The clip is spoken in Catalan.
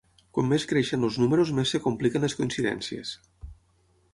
Com més creixen els números més es compliquen les coincidències.